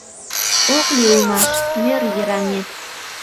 Ок лий улмаш мӧр йыраҥет.